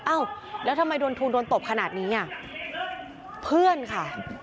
อ้าวแล้วทำไมโดนทูลโดนตบขนาดนี้อ่ะเพื่อนค่ะ